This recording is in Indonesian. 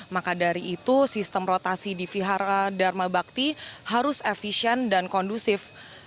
maka dari itu sistem rotasi di vihara dharma bakti harus efisien dan kondusif